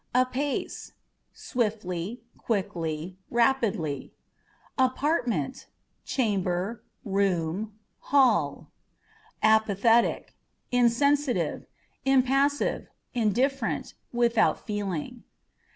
Apace â€" swiftly, quickly, rapidly. Apartment â€" chamber, room, hall. Apathetic â€" insensitive, impassive, indifferent, without feeling.